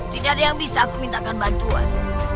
tidak ada yang bisa aku mintakan bantuan